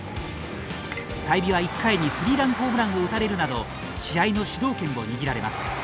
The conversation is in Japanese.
済美は、１回にスリーランホームランを打たれるなど試合の主導権を握られます。